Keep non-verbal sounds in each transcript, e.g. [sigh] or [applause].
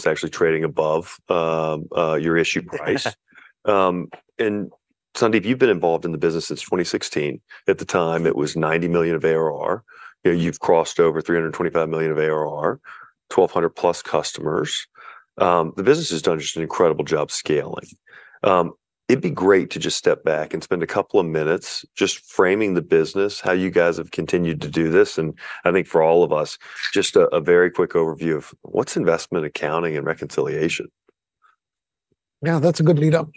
It's actually trading above your issue price. And Sandeep, you've been involved in the business since 2016. At the time, it was $90 million of ARR. You know, you've crossed over $325 million of ARR, 1,200+ customers. The business has done just an incredible job scaling. It'd be great to just step back and spend a couple of minutes just framing the business, how you guys have continued to do this, and I think for all of us, just a very quick overview of what's investment accounting and reconciliation? Yeah, that's a good lead up.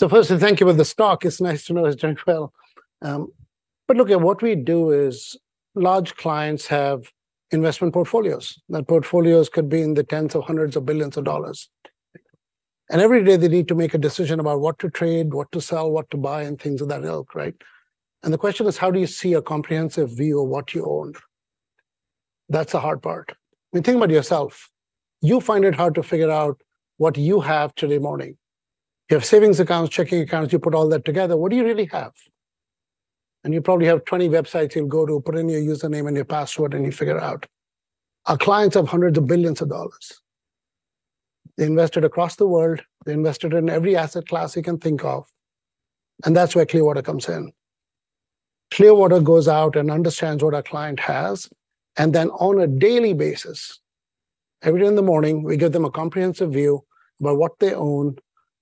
So first, thank you for the stock. It's nice to know it's doing well. But look, what we do is large clients have investment portfolios. Their portfolios could be in the tens of hundreds of billions of dollars, and every day they need to make a decision about what to trade, what to sell, what to buy, and things of that ilk, right? And the question is: how do you see a comprehensive view of what you own? That's the hard part. I mean, think about yourself. You find it hard to figure out what you have today morning. You have savings accounts, checking accounts, you put all that together, what do you really have? And you probably have 20 websites you'll go to, put in your username and your password, and you figure out. Our clients have $ hundreds of billions. They invested across the world. They invested in every asset class you can think of, and that's where Clearwater comes in. Clearwater goes out and understands what our client has, and then on a daily basis, every day in the morning, we give them a comprehensive view about what they own,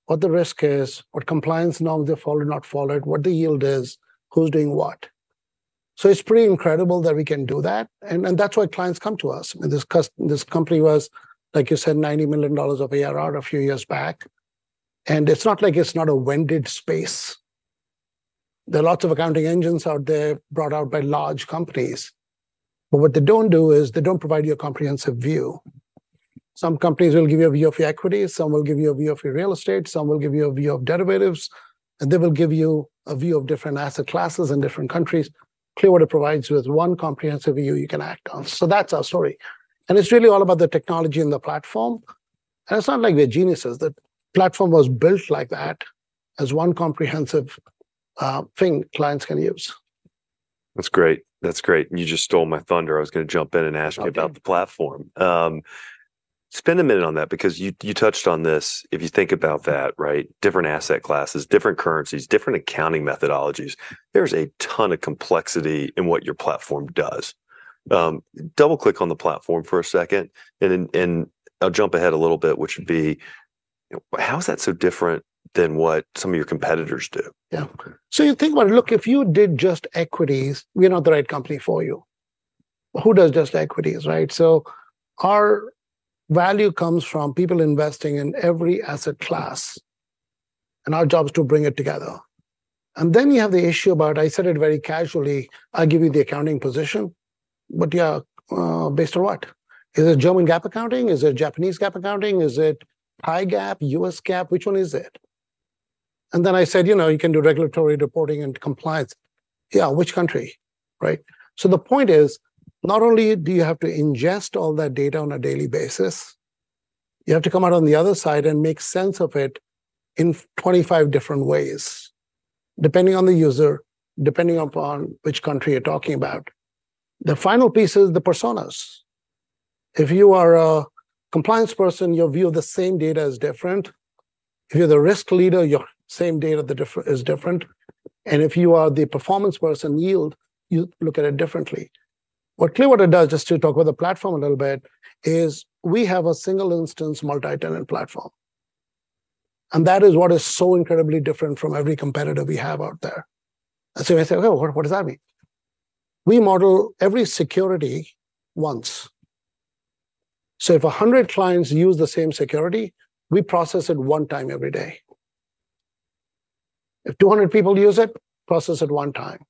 what the risk is, what compliance norms they've followed, not followed, what the yield is, who's doing what. So it's pretty incredible that we can do that, and that's why clients come to us. And this company was, like you said, $90 million of ARR a few years back, and it's not like it's not a crowded space. There are lots of accounting engines out there brought out by large companies, but what they don't do is they don't provide you a comprehensive view. Some companies will give you a view of your equity, some will give you a view of your real estate, some will give you a view of derivatives, and they will give you a view of different asset classes in different countries. Clearwater provides you with one comprehensive view you can act on. So that's our story, and it's really all about the technology and the platform. And it's not like we're geniuses. The platform was built like that, as one comprehensive thing clients can use. That's great. That's great. You just stole my thunder. I was gonna JUMP in and ask you... Okay. About the platform. Spend a minute on that because you touched on this. If you think about that, right? Different asset classes, different currencies, different accounting methodologies. There's a ton of complexity in what your platform does. Double-click on the platform for a second, and then I'll JUMP ahead a little bit, which would be: how is that so different than what some of your competitors do? Yeah. So you think about it. Look, if you did just equities, we're not the right company for you. Who does just equities, right? So our value comes from people investing in every asset class, and our job is to bring it together. And then you have the issue about, I said it very casually, I'll give you the accounting position, but, yeah, based on what? Is it German GAAP accounting? Is it Japanese GAAP accounting? Is it Thai GAAP, US GAAP? Which one is it? And then I said, you know, you can do regulatory reporting and compliance. Yeah, which country, right? So the point is, not only do you have to ingest all that data on a daily basis, you have to come out on the other side and make sense of it in 25 different ways, depending on the user, depending upon which country you're talking about. The final piece is the personas. If you are a compliance person, your view of the same data is different. If you're the risk leader, your same data, the difference is different, and if you are the performance person, yield, you look at it differently. What Clearwater does, just to talk about the platform a little bit, is we have a single-instance multi-tenant platform, and that is what is so incredibly different from every competitor we have out there. And so you say, "Oh, what does that mean?" We model every security once. So if 100 clients use the same security, we process it one time every day. If 200 people use it, process it one time.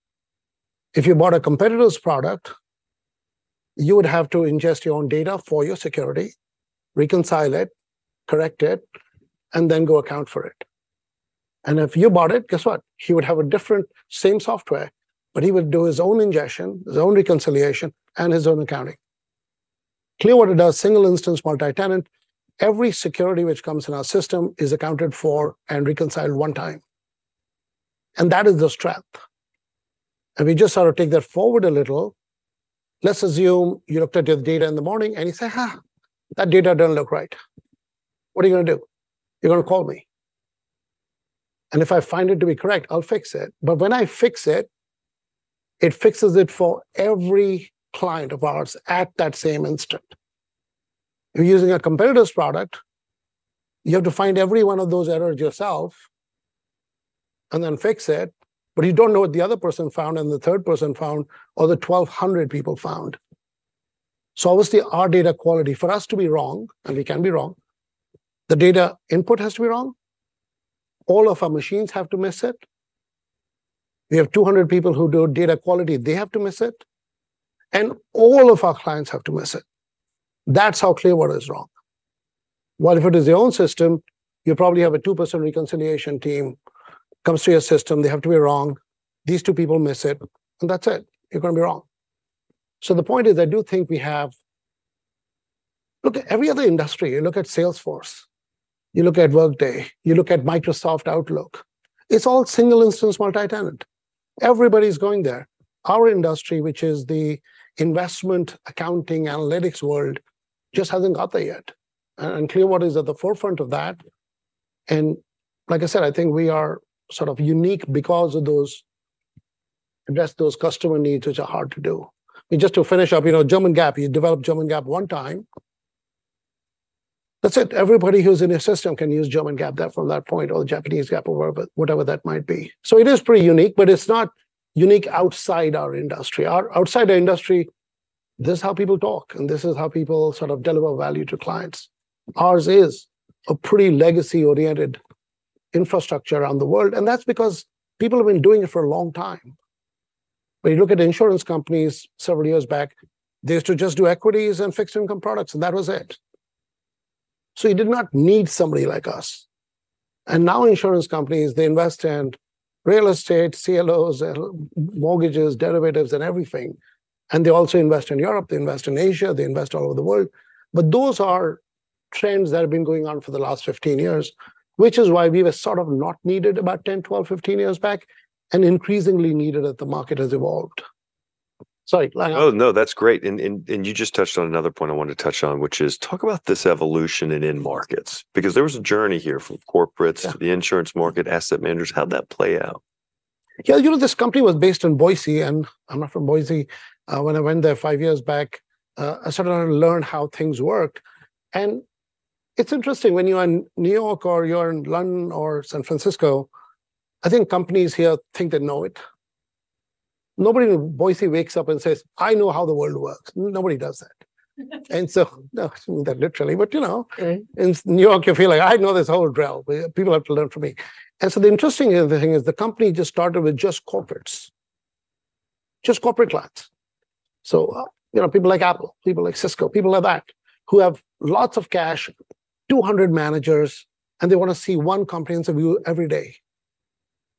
If you bought a competitor's product, you would have to ingest your own data for your security, reconcile it, correct it, and then go account for it. And if you bought it, guess what? He would have a different, same software, but he would do his own ingestion, his own reconciliation, and his own accounting. Clearwater does single instance, multi-tenant. Every security which comes in our system is accounted for and reconciled one time, and that is the strength. If we just sort of take that forward a little, let's assume you looked at your data in the morning and you say, "Ah, that data doesn't look right." What are you gonna do? You're gonna call me, and if I find it to be correct, I'll fix it. But when I fix it, it fixes it for every client of ours at that same instant. If you're using a competitor's product, you have to find every one of those errors yourself and then fix it, but you don't know what the other person found, and the third person found, or the 1,200 people found. So obviously, our data quality, for us to be wrong, and we can be wrong, the data input has to be wrong, all of our machines have to miss it. We have 200 people who do data quality, they have to miss it, and all of our clients have to miss it. That's how Clearwater is wrong. While if it is your own system, you probably have a two-person reconciliation team, comes to your system, they have to be wrong, these two people miss it, and that's it. You're gonna be wrong. So the point is, I do think we have... Look at every other industry. You look at Salesforce. You look at Workday, you look at Microsoft Outlook, it's all single instance, multi-tenant. Everybody's going there. Our industry, which is the investment, accounting, analytics world, just hasn't got there yet, and Clearwater is at the forefront of that. And like I said, I think we are sort of unique because of those address those customer needs, which are hard to do. I mean, just to finish up, you know, German GAAP, you develop German GAAP one time, that's it. Everybody who's in your system can use German GAAP there from that point, or the Japanese GAAP or whatever, whatever that might be. So it is pretty unique, but it's not unique outside our industry. Outside our industry, this is how people talk, and this is how people sort of deliver value to clients. Ours is a pretty legacy-oriented infrastructure around the world, and that's because people have been doing it for a long time. When you look at insurance companies several years back, they used to just do equities and fixed income products, and that was it. So you did not need somebody like us. And now insurance companies, they invest in real estate, CLOs, mortgages, derivatives, and everything, and they also invest in Europe, they invest in Asia, they invest all over the world. But those are trends that have been going on for the last 15 years, which is why we were sort of not needed about 10, 12, 15 years back, and increasingly needed as the market has evolved. Sorry, go ahead. Oh, no, that's great. And you just touched on another point I wanted to touch on, which is talk about this evolution in end markets. Because there was a journey here from corporates... Yeah. To the insurance market, asset managers. How'd that play out? Yeah, you know, this company was based in Boise, and I'm not from Boise. When I went there five years back, I started to learn how things worked. And it's interesting, when you're in New York, or you're in London, or San Francisco, I think companies here think they know it. Nobody in Boise wakes up and says, "I know how the world works." Nobody does that. And so... Not literally, but, you know... Right. In New York, you feel like, "I know this whole drill. People have to learn from me." And so the interesting thing is the company just started with just corporates, just corporate clients. So, you know, people like Apple, people like Cisco, people like that, who have lots of cash, 200 managers, and they want to see one comprehensive view every day.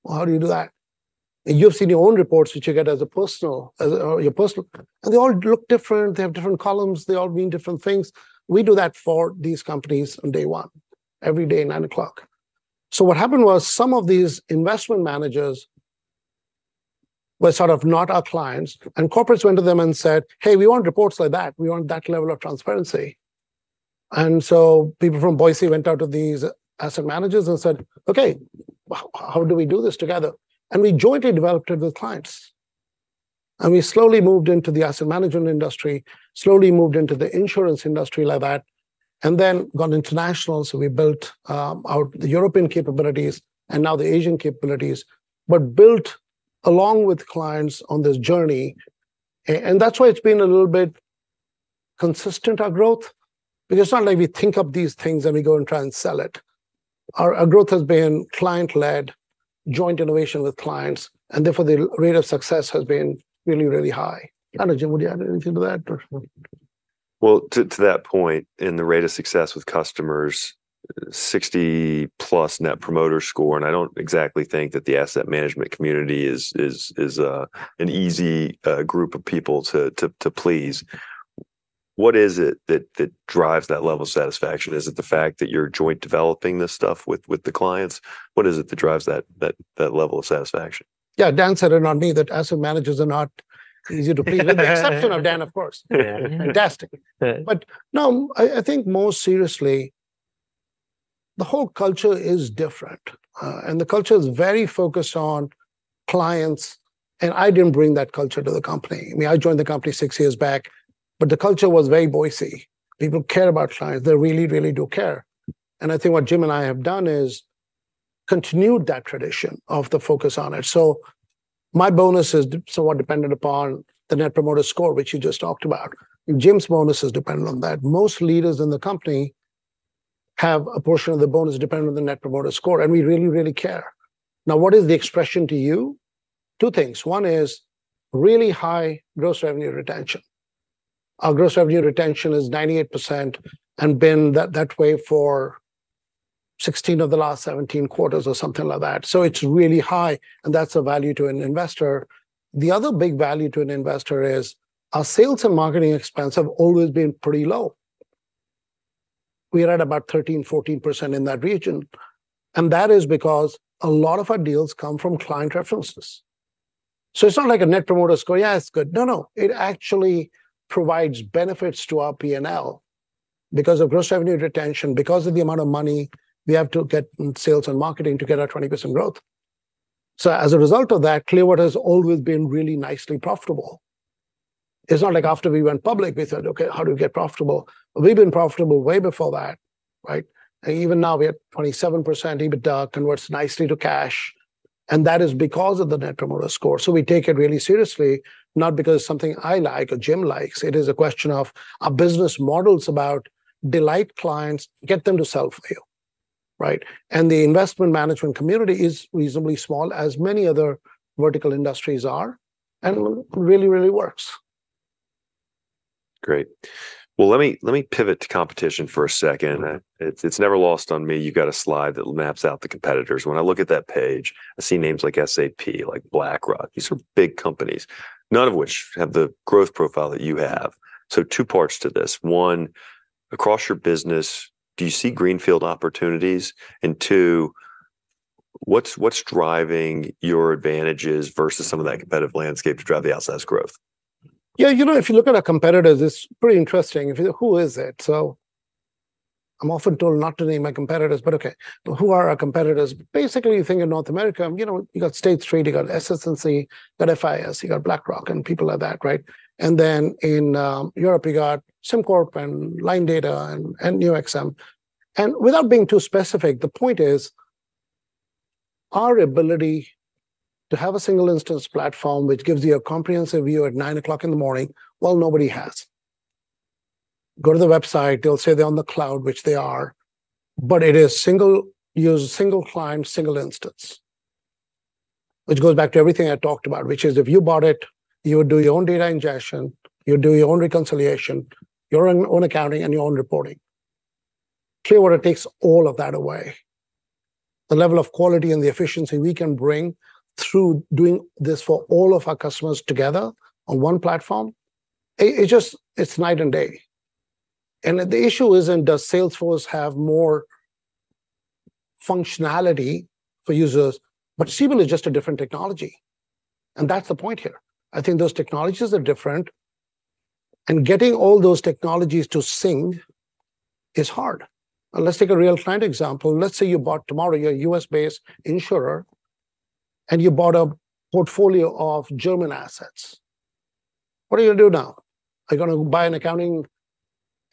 Well, how do you do that? You've seen your own reports, which you get as a personal, as your personal, and they all look different, they have different columns, they all mean different things. We do that for these companies on day one, every day, 9:00AM. So what happened was some of these investment managers were sort of not our clients, and corporates went to them and said, "Hey, we want reports like that. We want that level of transparency." And so people from Boise went out to these asset managers and said, "Okay, how do we do this together?" And we jointly developed it with clients, and we slowly moved into the asset management industry, slowly moved into the insurance industry like that, and then got international. So we built our the European capabilities and now the Asian capabilities, but built along with clients on this journey. And that's why it's been a little bit consistent, our growth, because it's not like we think up these things, and we go and try and sell it. Our our growth has been client-led, joint innovation with clients, and therefore, the rate of success has been really, really high. I don't know, Jim, would you add anything to that or? Well, to that point, in the rate of success with customers, 60+ Net Promoter Score, and I don't exactly think that the asset management community is an easy group of people to please. What is it that drives that level of satisfaction? Is it the fact that you're joint developing this stuff with the clients? What is it that drives that level of satisfaction? Yeah, Dan said it, not me, that asset managers are not easy to please, with the exception of Dan, of course. Yeah. Fantastic. Right. But no, I think more seriously, the whole culture is different, and the culture is very focused on clients, and I didn't bring that culture to the company. I mean, I joined the company six years back, but the culture was very Boise. People care about clients. They really, really do care. And I think what Jim and I have done is continued that tradition of the focus on it. So my bonus is somewhat dependent upon the Net Promoter Score, which you just talked about. Jim's bonus is dependent on that. Most leaders in the company have a portion of the bonus dependent on the Net Promoter Score, and we really, really care. Now, what is the expression to you? Two things. One is really high gross revenue retention. Our gross revenue retention is 98% and been that way for 16 of the last 17 quarters or something like that. So it's really high, and that's a value to an investor. The other big value to an investor is our sales and marketing expense have always been pretty low. We are at about 13% to 14%, in that region, and that is because a lot of our deals come from client references. So it's not like a Net Promoter Score. Yeah, it's good. No, no, it actually provides benefits to our P&L because of gross revenue retention, because of the amount of money we have to get in sales and marketing to get our 20% growth. So as a result of that, Clearwater has always been really nicely profitable. It's not like after we went public, we said, "Okay, how do we get profitable?" We've been profitable way before that, right? Even now, we're at 27% EBITDA, converts nicely to cash, and that is because of the Net Promoter Score. So we take it really seriously, not because it's something I like or Jim likes. It is a question of our business model's about delight clients, get them to sell for you, right? And the investment management community is reasonably small, as many other vertical industries are, and really, really works. Great. Well, let me pivot to competition for a second. It's never lost on me. You've got a slide that maps out the competitors. When I look at that page, I see names like SAP, like BlackRock. These are big companies, none of which have the growth profile that you have. So two parts to this: One, across your business, do you see greenfield opportunities? And two, what's driving your advantages versus some of that competitive landscape to drive the outsized growth? Yeah, you know, if you look at our competitors, it's pretty interesting. If you—who is it? So I'm often told not to name my competitors, but okay, but who are our competitors? Basically, you think in North America, you know, you got State Street, you got SS&C, you got FIS, you got BlackRock and people like that, right? And then in Europe, you got SimCorp and Linedata and NeoXam. And without being too specific, the point is, our ability to have a single instance platform, which gives you a comprehensive view at 9:00AM, well, nobody has. Go to the website, they'll say they're on the cloud, which they are, but it is single use a single client, single instance, which goes back to everything I talked about, which is, if you bought it, you would do your own data ingestion, you'd do your own reconciliation, your own, own accounting, and your own reporting. Clearwater takes all of that away. The level of quality and the efficiency we can bring through doing this for all of our customers together on one platform, it just, it's night and day. And the issue isn't, does Salesforce have more functionality for users, but Siebel is just a different technology, and that's the point here. I think those technologies are different, and getting all those technologies to sing is hard. Let's take a real client example. Let's say you bought, tomorrow you're a US-based insurer, and you bought a portfolio of German assets. What are you going to do now? Are you going to buy an accounting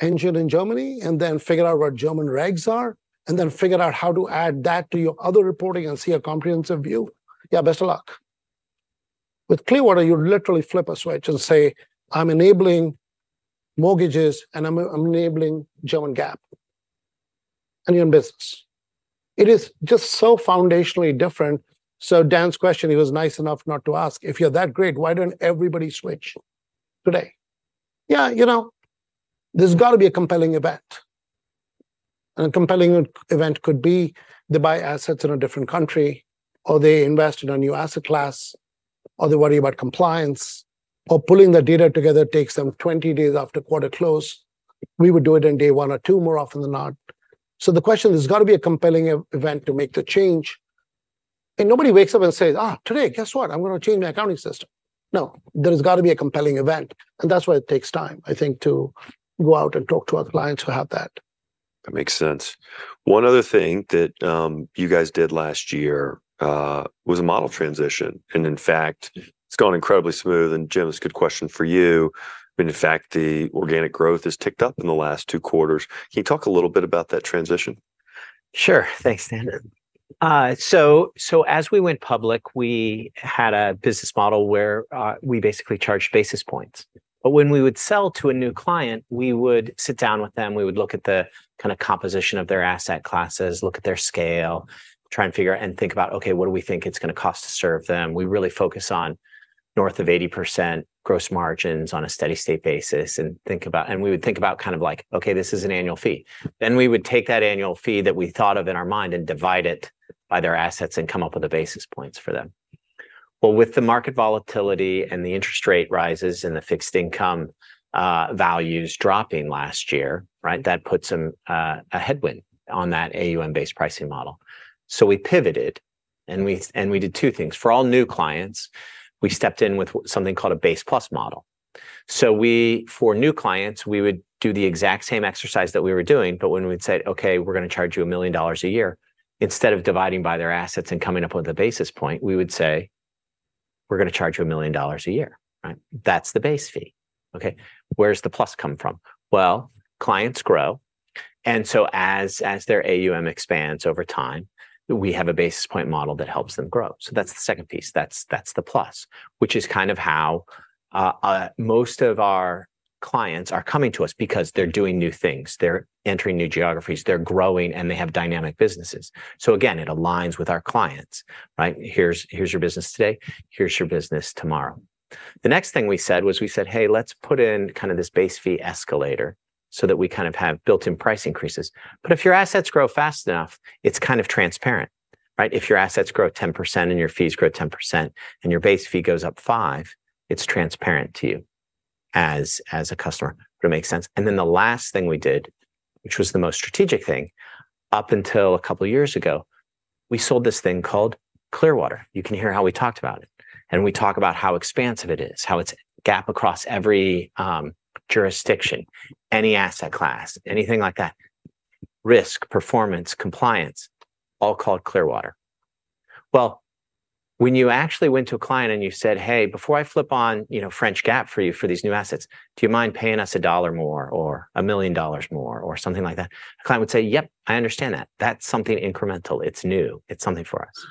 engine in Germany and then figure out what German regs are, and then figure out how to add that to your other reporting and see a comprehensive view? Yeah, best of luck. With Clearwater, you literally flip a switch and say, "I'm enabling mortgages, and I'm enabling German GAAP," and you're in business. It is just so foundationally different. So Dan's question, he was nice enough not to ask: "If you're that great, why doesn't everybody switch today?" Yeah, you know, there's got to be a compelling event. A compelling event could be they buy assets in a different country, or they invest in a new asset class, or they worry about compliance, or pulling their data together takes them 20 days after quarter close. We would do it in day one or two more often than not. So the question, there's got to be a compelling event to make the change. And nobody wakes up and says, "Ah, today, guess what? I'm going to change my accounting system." No, there has got to be a compelling event, and that's why it takes time, I think, to go out and talk to our clients who have that. That makes sense. One other thing that you guys did last year was a model transition, and in fact, it's gone incredibly smooth. Jim, it's a good question for you, when in fact, the organic growth has ticked up in the last two quarters. Can you talk a little bit about that transition? Sure. Thanks, Dan. So, so as we went public, we had a business model where we basically charged basis points. But when we would sell to a new client, we would sit down with them, we would look at the kind of composition of their asset classes, look at their scale, try and figure out, and think about, okay, what do we think it's going to cost to serve them? We really focus on north of 80% gross margins on a steady state basis, and think about, and we would think about kind of like, okay, this is an annual fee. Then we would take that annual fee that we thought of in our mind and divide it by their assets and come up with the basis points for them. Well, with the market volatility and the interest rate rises and the fixed income values dropping last year, right? That puts them a headwind on that AUM-based pricing model. So we pivoted, and we did two things. For all new clients, we stepped in with something called a base plus model. So for new clients, we would do the exact same exercise that we were doing, but when we'd said, "Okay, we're going to charge you $1 million a year," instead of dividing by their assets and coming up with a basis point, we would say, "We're going to charge you $1 million a year," right? That's the base fee. Okay, where's the plus come from? Well, clients grow, and so as their AUM expands over time, we have a basis point model that helps them grow. So that's the second piece. That's, that's the plus, which is kind of how most of our clients are coming to us because they're doing new things. They're entering new geographies, they're growing, and they have dynamic businesses. So again, it aligns with our clients, right? "Here's, here's your business today, here's your business tomorrow." The next thing we said was, we said, "Hey, let's put in kind of this base fee escalator so that we kind of have built-in price increases." But if your assets grow fast enough, it's kind of transparent, right? If your assets grow 10% and your fees grow 10%, and your base fee goes up 5, it's transparent to you as a customer. Does it make sense? And then the last thing we did, which was the most strategic thing, up until a couple of years ago, we sold this thing called Clearwater. You can hear how we talked about it, and we talk about how expansive it is, how it's GAAP across every, jurisdiction, any asset class, anything like that. Risk, performance, compliance, all called Clearwater. Well, when you actually went to a client and you said, "Hey, before I flip on, you know, French GAAP for you for these new assets, do you mind paying us $1 more or $1 million more, or something like that?" The client would say, "Yep, I understand that. That's something incremental. It's new. It's something for us."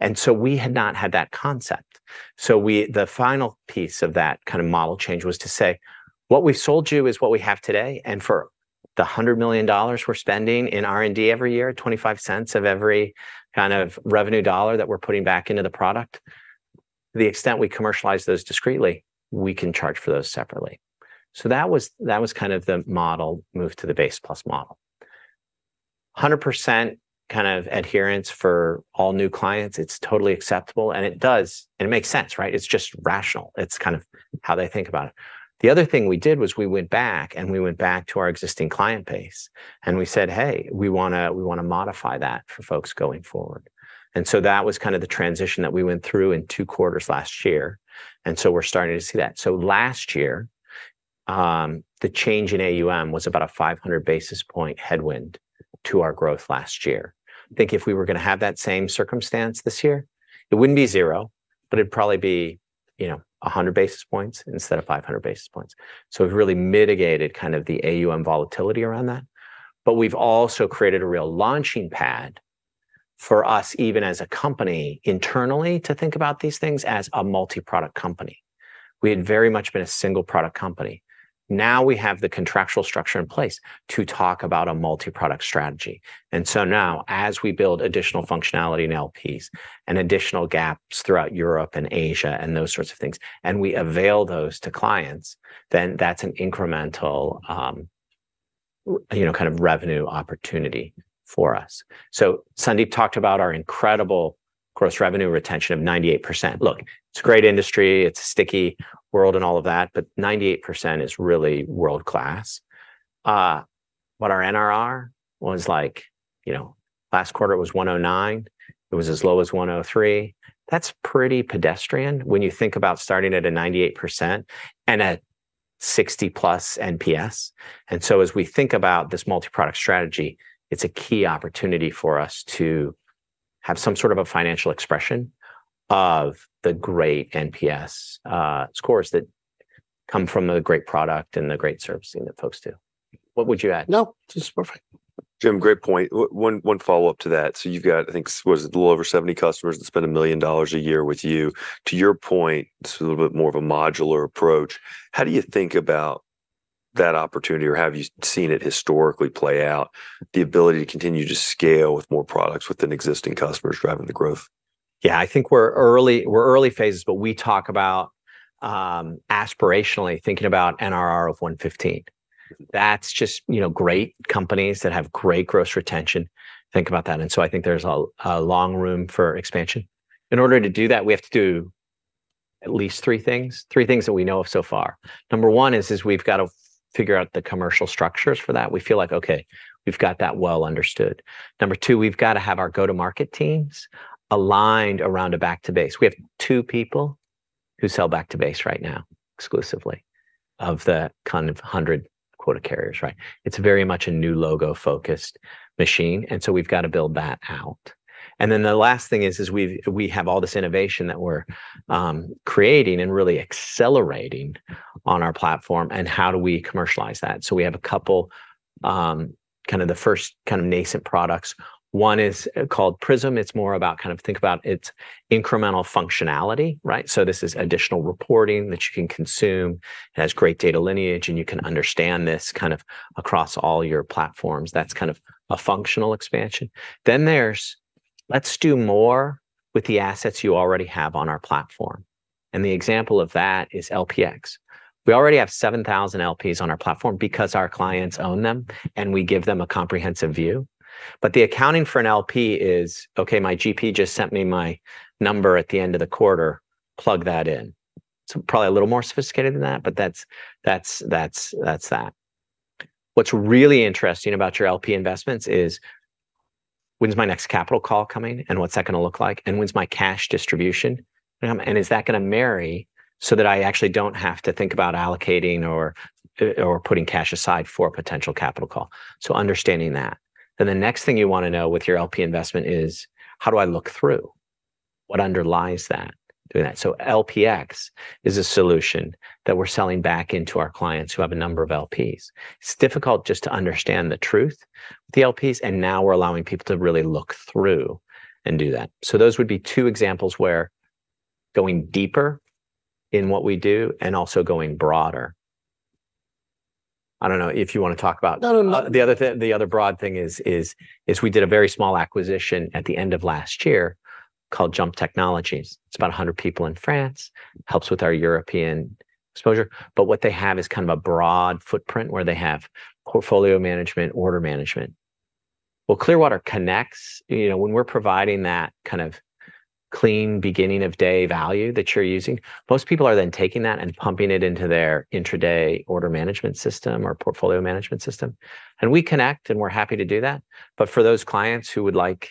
And so we had not had that concept. So we the final piece of that kind of model change was to say: What we sold you is what we have today, and for the $100 million we're spending in R&D every year, 25 cents of every kind of revenue dollar that we're putting back into the product, the extent we commercialize those discreetly, we can charge for those separately. So that was, that was kind of the model move to the base plus model. 100% kind of adherence for all new clients. It's totally acceptable, and it does... And it makes sense, right? It's just rational. It's kind of how they think about it. The other thing we did was we went back, and we went back to our existing client base and we said, "Hey, we wanna, we wanna modify that for folks going forward." And so that was kind of the transition that we went through in two quarters last year, and so we're starting to see that. So last year, the change in AUM was about a 500 basis point headwind to our growth last year. I think if we were gonna have that same circumstance this year, it wouldn't be zero, but it'd probably be, you know, 100 basis points instead of 500 basis points. So we've really mitigated kind of the AUM volatility around that. But we've also created a real launching pad for us, even as a company, internally, to think about these things as a multi-product company. We had very much been a single-product company. Now we have the contractual structure in place to talk about a multi-product strategy. And so now, as we build additional functionality in LPs and additional gaps throughout Europe and Asia and those sorts of things, and we avail those to clients, then that's an incremental, you know, kind of revenue opportunity for us. So Sandeep talked about our incredible gross revenue retention of 98%. Look, it's a great industry, it's a sticky world and all of that, but 98% is really world-class. But our NRR was like, you know, last quarter it was 109. It was as low as 103. That's pretty pedestrian when you think about starting at a 98% and at 60+ NPS. And so as we think about this multi-product strategy, it's a key opportunity for us to have some sort of a financial expression of the great NPS scores that come from the great product and the great servicing that folks do. What would you add? No, this is perfect. Jim, great point. Oh, one follow-up to that. So you've got, I think, what is it? A little over 70 customers that spend $1 million a year with you. To your point, it's a little bit more of a modular approach. How do you think about that opportunity, or have you seen it historically play out, the ability to continue to scale with more products within existing customers driving the growth? Yeah, I think we're in early phases, but we talk about aspirationally thinking about NRR of 115. That's just, you know, great companies that have great gross retention think about that, and so I think there's a long room for expansion. In order to do that, we have to do at least three things, three things that we know of so far. Number one is we've got to figure out the commercial structures for that. We feel like, okay, we've got that well understood. Number two, we've got to have our go-to-market teams aligned around a back to base. We have two people who sell back to base right now, exclusively, of the kind of 100 quota carriers, right? It's very much a new logo-focused machine, and so we've got to build that out. And then the last thing is, we've all this innovation that we're creating and really accelerating on our platform, and how do we commercialize that? So we have a couple, kind of the first kind of nascent products. One is called Prism. It's more about kind of think about its incremental functionality, right? So this is additional reporting that you can consume. It has great data lineage, and you can understand this kind of across all your platforms. That's kind of a functional expansion. Then there's, "Let's do more with the assets you already have on our platform," and the example of that is LPx. We already have 7,000 LPs on our platform because our clients own them, and we give them a comprehensive view. But the accounting for an LP is, "Okay, my GP just sent me my number at the end of the quarter. Plug that in." So probably a little more sophisticated than that, but that's that. What's really interesting about your LP investments is: When's my next capital call coming, and what's that gonna look like? And when's my cash distribution, and is that gonna marry so that I actually don't have to think about allocating or putting cash aside for a potential capital call? So understanding that. Then, the next thing you want to know with your LP investment is, how do I look through? What underlies that, doing that? So LPx is a solution that we're selling back into our clients who have a number of LPs. It's difficult just to understand the truth with the LPs, and now we're allowing people to really look through and do that. So those would be two examples where going deeper in what we do and also going broader. I don't know if you want to talk about... [crosstalk] No, no, no. The other thing—the other broad thing is we did a very small acquisition at the end of last year called JUMP Technologies. It's about 100 people in France, helps with our European exposure, but what they have is kind of a broad footprint, where they have portfolio management, order management. Well, Clearwater connects... You know, when we're providing that kind of clean beginning-of-day value that you're using, most people are then taking that and pumping it into their intra-day order management system or portfolio management system, and we connect, and we're happy to do that. But for those clients who would like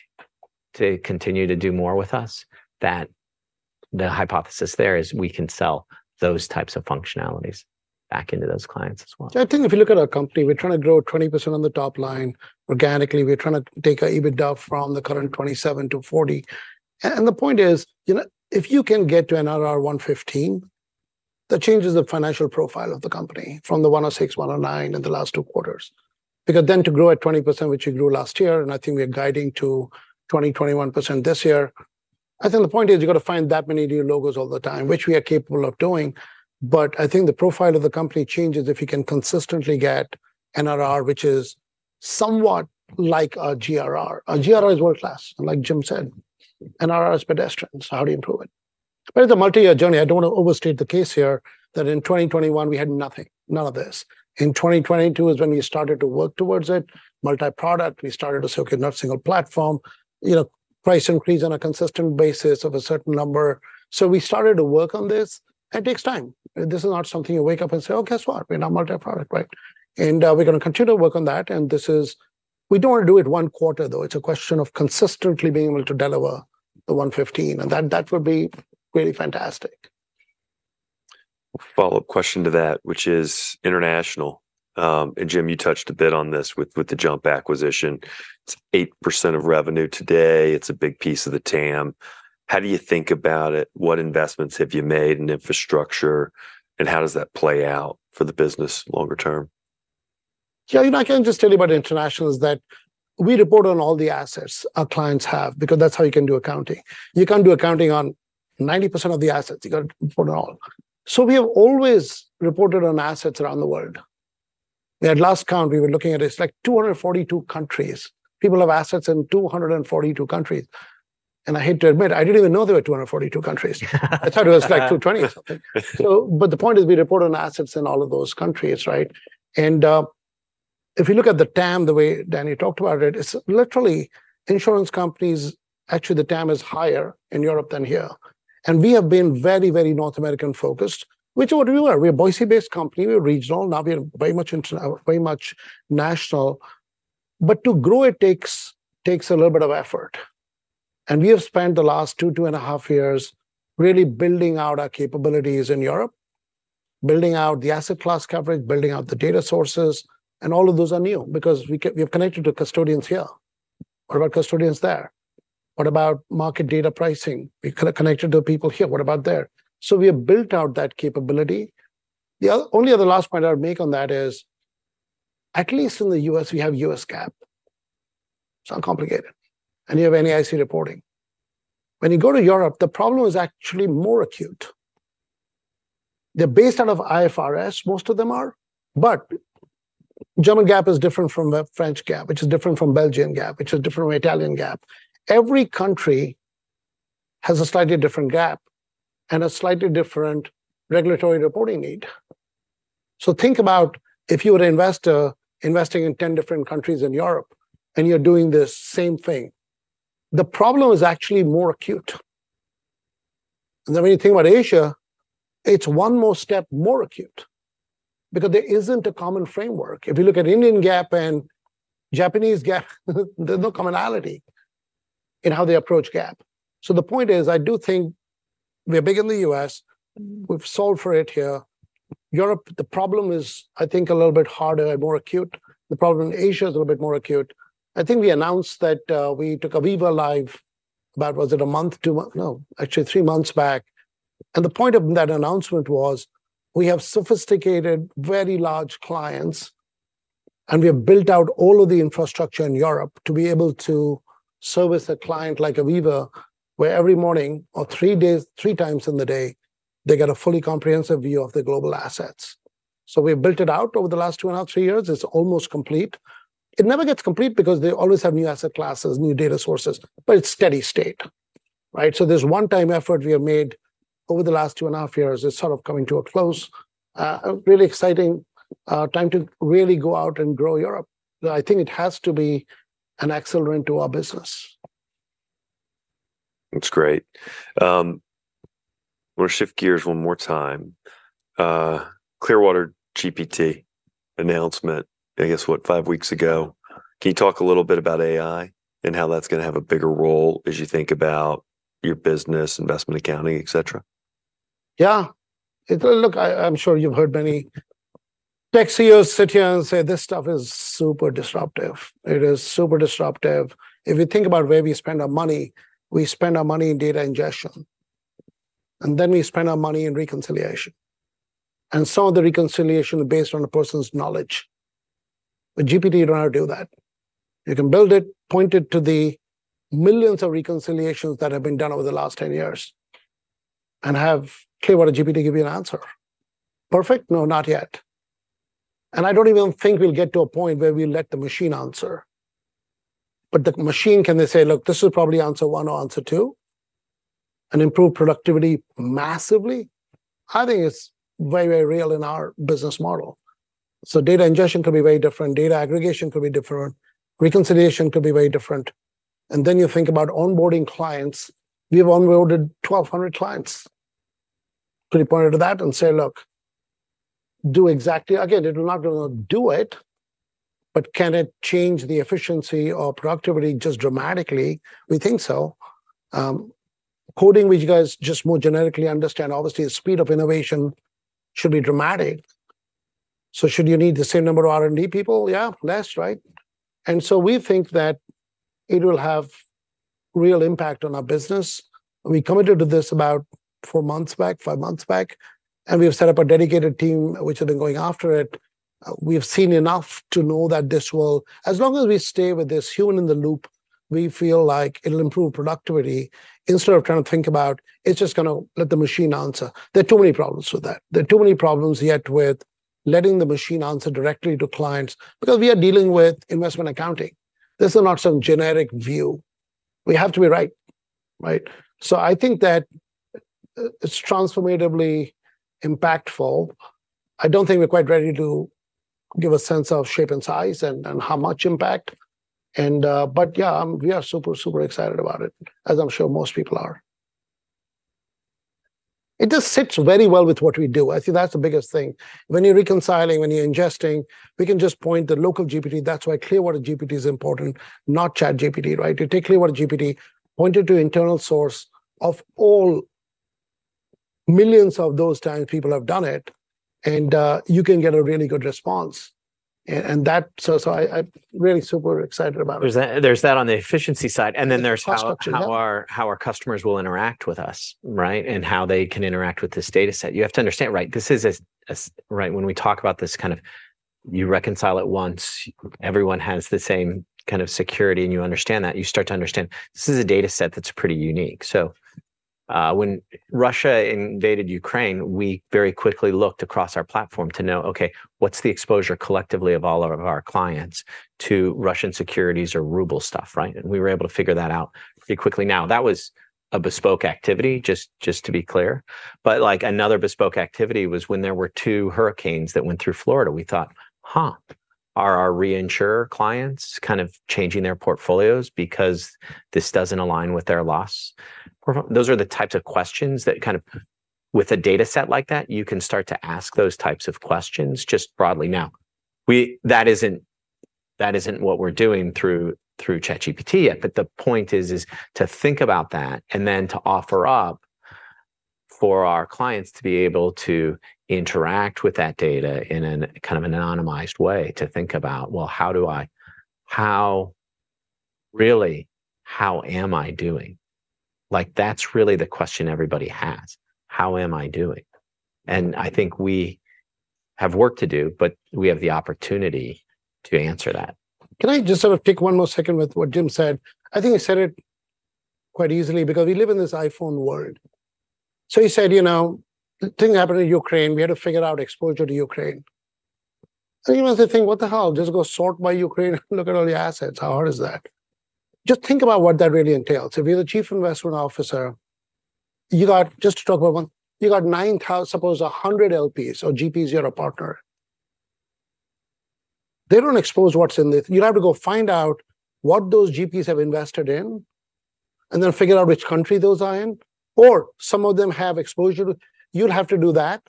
to continue to do more with us, that the hypothesis there is we can sell those types of functionalities back into those clients as well. I think if you look at our company, we're trying to grow 20% on the top line organically. We're trying to take our EBITDA from the current 27% to 40%. And the point is, you know, if you can get to NRR 115, that changes the financial profile of the company from the 106, 109 in the last two quarters. Because then to grow at 20%, which we grew last year, and I think we are guiding to 20% to 21% this year, I think the point is, you've got to find that many new logos all the time, which we are capable of doing. But I think the profile of the company changes if you can consistently get NRR, which is somewhat like our GRR. Our GRR is world-class, like Jim said. NRR is pedestrian, so how do you improve it? But it's a multi-year journey. I don't want to overstate the case here that in 2021 we had nothing, none of this. In 2022 is when we started to work towards it. Multi-product, we started to say, "Okay, not single platform," you know, price increase on a consistent basis of a certain number. So we started to work on this, and it takes time. This is not something you wake up and say, "Oh, guess what? We're now multi-product," right? And, we're going to continue to work on that, and this is, we don't want to do it one quarter, though. It's a question of consistently being able to deliver the 115, and that, that would be really fantastic. Follow-up question to that, which is international. And Jim, you touched a bit on this with the JUMP acquisition. It's 8% of revenue today. It's a big piece of the TAM. How do you think about it? What investments have you made in infrastructure, and how does that play out for the business longer term? Yeah, you know, I can just tell you about international is that we report on all the assets our clients have because that's how you can do accounting. You can't do accounting on 90% of the assets. You've got to report on all of them. So we have always reported on assets around the world. At last count, we were looking at this, like, 242 countries. People have assets in 242 countries, and I hate to admit, I didn't even know there were 242 countries. I thought it was, like, 220 or something. So, but the point is, we report on assets in all of those countries, right? And if you look at the TAM, the way Danny talked about it, it's literally insurance companies... Actually, the TAM is higher in Europe than here, and we have been very, very North American-focused, which what we are. We're a Boise-based company. We're regional. Now we are very much national. But to grow it takes a little bit of effort, and we have spent the last 2.5 years really building out our capabilities in Europe, building out the asset class coverage, building out the data sources, and all of those are new because we have connected to custodians here. What about custodians there? What about market data pricing? We connected to people here. What about there? So we have built out that capability. The only other last point I would make on that is, at least in the US, we have US GAAP. It's uncomplicated, and you have NAIC reporting. When you go to Europe, the problem is actually more acute. They're based out of IFRS, most of them are. But German GAAP is different from the French GAAP, which is different from Belgian GAAP, which is different from Italian GAAP. Every country has a slightly different GAAP and a slightly different regulatory reporting need. So think about if you were to investor investing in 10 different countries in Europe, and you're doing the same thing. The problem is actually more acute. And then when you think about Asia, it's one more step more acute because there isn't a common framework. If you look at Indian GAAP and Japanese GAAP, there's no commonality in how they approach GAAP. So the point is, I do think we're big in the US We've solved for it here. Europe, the problem is, I think, a little bit harder and more acute. The problem in Asia is a little bit more acute. I think we announced that we took Aviva live, about, was it a month, two months? No, actually three months back. The point of that announcement was we have sophisticated, very large clients, and we have built out all of the infrastructure in Europe to be able to service a client like Aviva, where every morning or three days, three times in the day, they get a fully comprehensive view of their global assets. So we've built it out over the last 2.5 to three years. It's almost complete. It never gets complete because they always have new asset classes, new data sources, but it's steady state, right? So there's one-time effort we have made over the last 2.5 years is sort of coming to a close. A really exciting time to really go out and grow Europe. I think it has to be an accelerant to our business. That's great. I want to shift gears one more time. Clearwater GPT announcement, I guess, what, five weeks ago. Can you talk a little bit about AI and how that's going to have a bigger role as you think about your business, investment accounting, et cetera? Yeah. Look, I'm sure you've heard many tech CEOs sit here and say, "This stuff is super disruptive." It is super disruptive. If you think about where we spend our money, we spend our money in data ingestion, and then we spend our money in reconciliation, and so the reconciliation is based on a person's knowledge. With GPT, you don't have to do that. You can build it, point it to the millions of reconciliations that have been done over the last ten years, and have Clearwater GPT give you an answer. Perfect? No, not yet. And I don't even think we'll get to a point where we let the machine answer. But the machine, can they say, "Look, this is probably answer one or answer two," and improve productivity massively? I think it's very, very real in our business model. So data ingestion could be very different, data aggregation could be different, reconciliation could be very different. And then you think about onboarding clients. We've onboarded 1,200 clients. Pretty pointed to that and say, "Look, do exactly..." Again, they're not going to do it, but can it change the efficiency or productivity just dramatically? We think so. Accordingly, which you guys just more generically understand, obviously, the speed of innovation should be dramatic. So should you need the same number of R&D people? Yeah, less, right? And so we think that it will have real impact on our business. We committed to this about four months back, five months back, and we have set up a dedicated team which has been going after it. We have seen enough to know that this will—as long as we stay with this human in the loop—we feel like it'll improve productivity instead of trying to think about, it's just going to let the machine answer. There are too many problems with that. There are too many problems yet with letting the machine answer directly to clients because we are dealing with investment accounting. This is not some generic view. We have to be right, right? So I think that, it's transformatively impactful. I don't think we're quite ready to give a sense of shape and size and, and how much impact. But yeah, we are super, super excited about it, as I'm sure most people are. It just sits very well with what we do. I think that's the biggest thing. When you're reconciling, when you're ingesting, we can just point the local GPT. That's why Clearwater GPT is important, not ChatGPT, right? You take Clearwater GPT, point it to internal source. Of all millions of those times people have done it, and you can get a really good response. And that—so I’m really super excited about it. There's that, there's that on the efficiency side, and then there's... [crosstalk] Cost too, yeah. How our customers will interact with us, right? And how they can interact with this data set. You have to understand, right, this is a... Right, when we talk about this kind of, you reconcile it once, everyone has the same kind of security, and you understand that. You start to understand this is a data set that's pretty unique. So, when Russia invaded Ukraine, we very quickly looked across our platform to know, okay, what's the exposure collectively of all of our clients to Russian securities or ruble stuff, right? And we were able to figure that out pretty quickly. Now, that was a bespoke activity, just to be clear. But, like, another bespoke activity was when there were two hurricanes that went through Florida. We thought, "Huh, are our reinsurer clients kind of changing their portfolios because this doesn't align with their loss?" Those are the types of questions that kind of... With a data set like that, you can start to ask those types of questions just broadly. Now, that isn't, that isn't what we're doing through, through ChatGPT yet, but the point is, is to think about that, and then to offer up for our clients to be able to interact with that data in a kind of anonymized way. To think about, well, how do I... how... really, how am I doing? Like, that's really the question everybody has: How am I doing? And I think we have work to do, but we have the opportunity to answer that. Can I just sort of take one more second with what Jim said? I think he said it quite easily, because we live in this iPhone world. So he said, you know, the thing that happened in Ukraine, we had to figure out exposure to Ukraine. So you know, they think, what the hell? Just go sort by Ukraine and look at all the assets. How hard is that? Just think about what that really entails. If you're the chief investment officer, you got... Just to talk about one, suppose 100 LPs or GPs, you're a partner. They don't expose what's in the... You'd have to go find out what those GPs have invested in, and then figure out which country those are in, or some of them have exposure. You'd have to do that.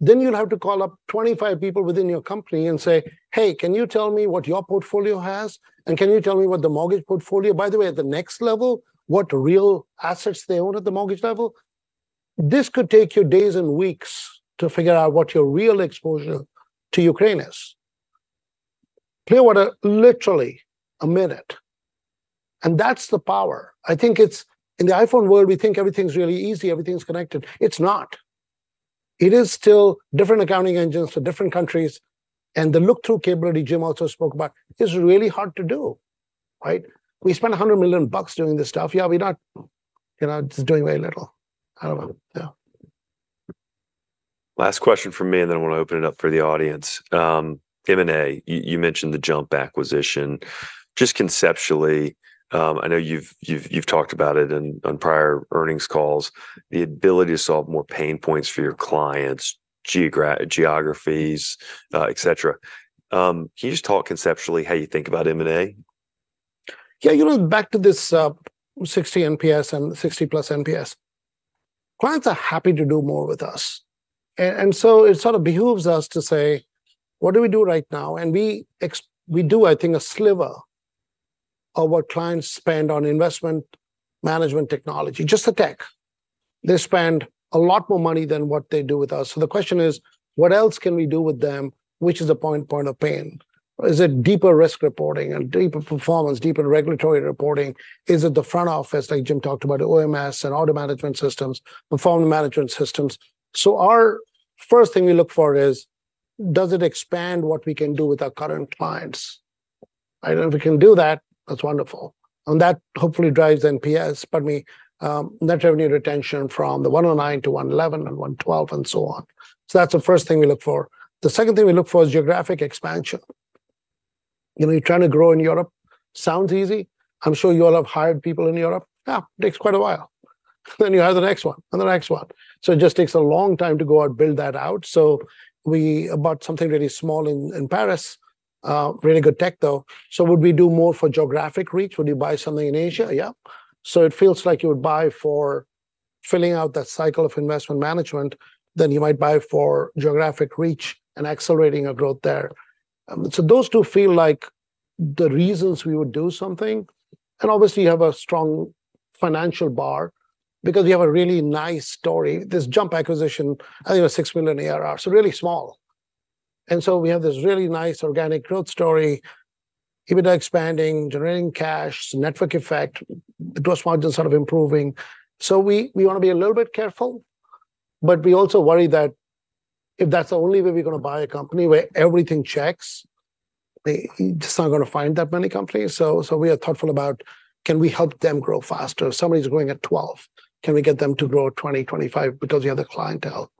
Then you'd have to call up 25 people within your company and say, "Hey, can you tell me what your portfolio has? And can you tell me what the mortgage portfolio—By the way, at the next level, what real assets they own at the mortgage level?" This could take you days and weeks to figure out what your real exposure to Ukraine is. Clearwater, literally a minute, and that's the power. I think it's... In the iPhone world, we think everything's really easy, everything's connected. It's not. It is still different accounting engines for different countries, and the look-through capability Jim also spoke about is really hard to do, right? We spent $100 million doing this stuff. Yeah, we're not, you know, just doing very little. I don't know. Yeah. Last question from me, and then I want to open it up for the audience. M&A, you mentioned the JUMP acquisition. Just conceptually, I know you've talked about it in, on prior earnings calls, the ability to solve more pain points for your clients, geographies, et cetera. Can you just talk conceptually how you think about M&A? Yeah, you know, back to this, 60 NPS and 60+ NPS. Clients are happy to do more with us, and so it sort of behooves us to say: What do we do right now? And we do, I think, a sliver of what clients spend on investment management technology, just the tech. They spend a lot more money than what they do with us. So the question is: What else can we do with them, which is a point of pain? Is it deeper risk reporting and deeper performance, deeper regulatory reporting? Is it the front office, like Jim talked about, OMS and order management systems, performance management systems? So our first thing we look for is: Does it expand what we can do with our current clients? And if we can do that, that's wonderful, and that hopefully drives NPS, pardon me, net revenue retention from the 109 to 111 and 112, and so on. So that's the first thing we look for. The second thing we look for is geographic expansion. You know, you're trying to grow in Europe. Sounds easy. I'm sure you all have hired people in Europe. Yeah, it takes quite a while. Then you hire the next one and the next one. So it just takes a long time to go out, build that out. So we bought something really small in Paris. Really good tech, though. So would we do more for geographic reach? Would you buy something in Asia? Yeah. So it feels like you would buy for filling out that cycle of investment management, then you might buy for geographic reach and accelerating our growth there. So those two feel like the reasons we would do something. And obviously, you have a strong financial bar because we have a really nice story. This JUMP acquisition, I think, was $6 million ARR, so really small. And so we have this really nice organic growth story, EBITDA expanding, generating cash, network effect, the gross margin sort of improving. So we, we want to be a little bit careful, but we also worry that if that's the only way we're going to buy a company, where everything checks, we're just not going to find that many companies. So, so we are thoughtful about, can we help them grow faster? If somebody's growing at 12, can we get them to grow at 20, 25 because we have the clientele?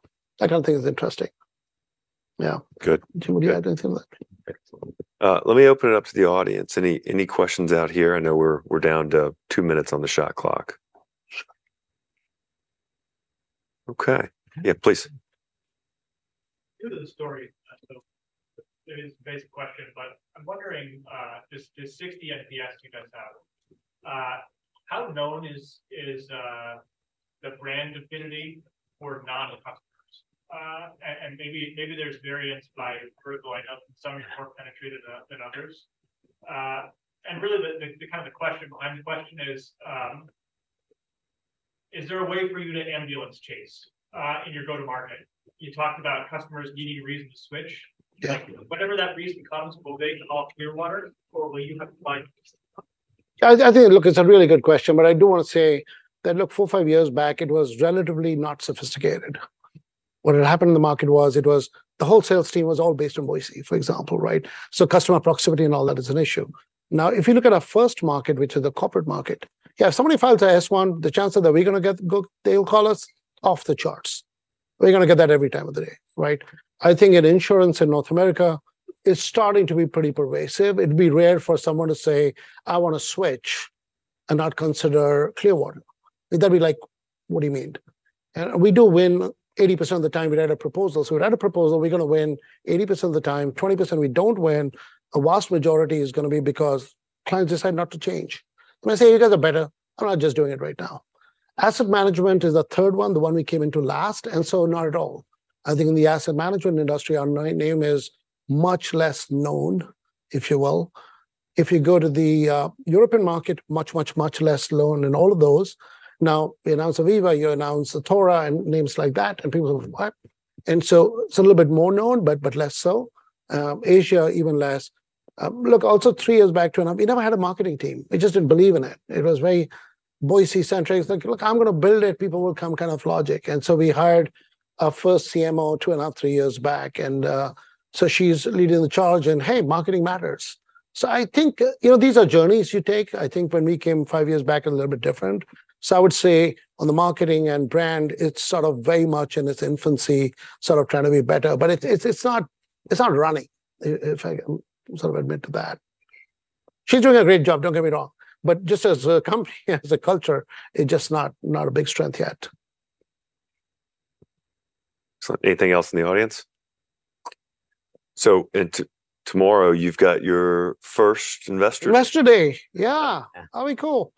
I kind of think it's interesting. Yeah. Good. Jim, would you add anything to that? Let me open it up to the audience. Any questions out here? I know we're down to two minutes on the shot clock... Okay. Yeah, please. Due to the story, it is a basic question, but I'm wondering, this 60 FPS you guys have, how known is the brand affinity for non-customers? And maybe there's variance by vertical. I know some are more penetrated than others. And really, the kind of the question behind the question is, is there a way for you to ambulance chase in your go-to-market? You talked about customers needing a reason to switch. Yeah. Whatever that reason comes, will they call Clearwater, or will you have to find them? I think, look, it's a really good question, but I do want to say that, look, four, five years back, it was relatively not sophisticated. What had happened in the market was, it was the wholesale team was all based in Boise, for example, right? So customer proximity and all that is an issue. Now, if you look at our first market, which is the corporate market, yeah, if somebody files an S-1, the chances that we're gonna get go... they will call us, off the charts. We're gonna get that every time of the day, right? I think in insurance in North America, it's starting to be pretty pervasive. It'd be rare for someone to say, "I want to switch," and not consider Clearwater. They'd be like: "What do you mean?" And we do win 80% of the time we write a proposal. So we write a proposal, we're gonna win 80% of the time. 20% we don't win, a vast majority is gonna be because clients decide not to change. And they say, "You guys are better. I'm not just doing it right now." Asset management is the third one, the one we came into last, and so not at all. I think in the asset management industry, our name is much less known, if you will. If you go to the European market, much, much, much less known in all of those. Now, you announce Aviva, you announce Athora and names like that, and people go, "What?" And so it's a little bit more known, but, but less so, Asia, even less. Look, also, three years back, 2.5, we never had a marketing team. We just didn't believe in it. It was very Boise-centric. Think, "Look, I'm gonna build it, people will come," kind of logic. And so we hired our first CMO 2.5 to three years back, and so she's leading the charge in, "Hey, marketing matters." So I think, you know, these are journeys you take. I think when we came five years back, it was a little bit different. So I would say, on the marketing and brand, it's sort of very much in its infancy, sort of trying to be better, but it's, it's, it's not, it's not running, if I sort of admit to that. She's doing a great job, don't get me wrong, but just as a company, as a culture, it's just not, not a big strength yet. Anything else in the audience? And tomorrow, you've got your first investor... [crosstalk] Investor Day, yeah! Yeah. That'll be cool.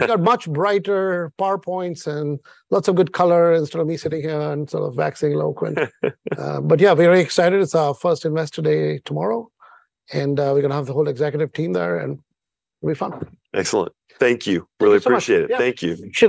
We've got much brighter PowerPoints and lots of good color, instead of me sitting here and sort of waxing eloquent. But yeah, very excited. It's our first Investor Day tomorrow, and we're gonna have the whole executive team there, and it'll be fun. Excellent. Thank you. Thank you so much. Really appreciate it. Yeah. Thank you. Cheers!